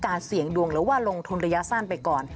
เสี่ยงดวงหรือว่าลงทุนระยะสั้นไปก่อน